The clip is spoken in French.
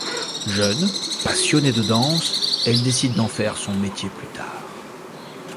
Jeune, passionnée de danse, elle décide d'en faire son métier plus tard.